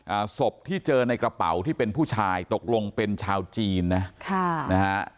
อ่าศพที่เจอในกระเป๋าที่เป็นผู้ชายตกลงเป็นชาวจีนนะค่ะนะฮะ